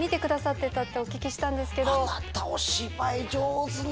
あなたお芝居上手ね。